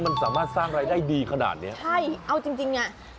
มันสามารถสร้างรายได้ดีขนาดนี้ใช่เอาจริงอะ